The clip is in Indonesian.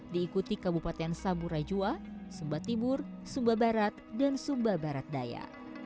diikuti kabupaten saburai jua sumba timur sumba barat dan sumba barat daya